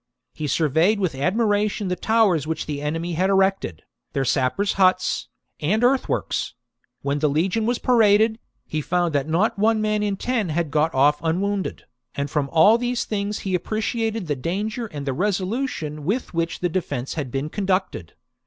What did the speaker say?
He surveyed with admiration the towers which the enemy had erected, their sappers' huts, and earthworks : when the legion was paraded, he found that not one man in ten had got off unwounded ; and from all these things he appreciated the danger and the resolu tion with which the defence had been conducted.